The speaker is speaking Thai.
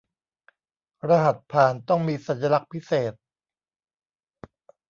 รหัสผ่านต้องมีสัญลักษณ์พิเศษ